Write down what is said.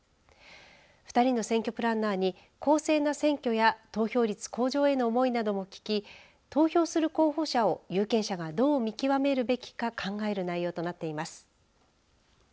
２人の選挙プランナーに公正な選挙や投票率向上への思いなども聞き投票する候補者を有権者がどう見極めるべきか考える内容となっています。